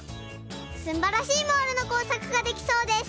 すんばらしいモールのこうさくができそうです！